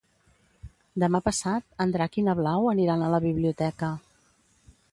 Demà passat en Drac i na Blau aniran a la biblioteca.